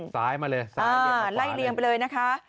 ซ้ายมาเลยซ้ายเลี่ยงข้างขวาเลยอ่าไล่เลี่ยงไปเลยนะคะ